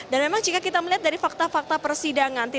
dan memang jika kita melihat dari fakta fakta persidangan